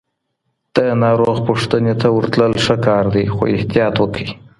د ناروغ پوښتنې ته ورتلل ښه کار دی خو احتیاط وکړئ.